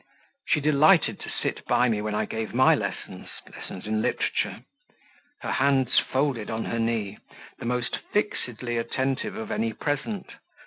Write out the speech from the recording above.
She delighted to sit by me when I gave my lessons (lessons in literature), her hands folded on her knee, the most fixedly attentive of any present.